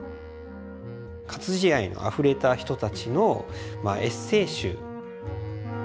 活字愛のあふれた人たちのまあエッセー集。